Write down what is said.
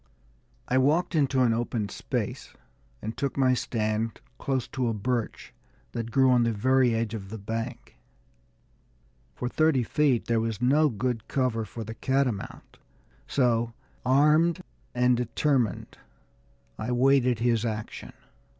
I walked into an open space, and took my stand close to a birch that grew on the very edge of the bank. For thirty feet there was no good cover for the catamount; so, armed and determined, I waited his action.